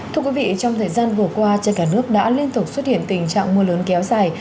thưa quý vị trong thời gian vừa qua trên cả nước đã liên tục xuất hiện tình trạng mưa lớn kéo dài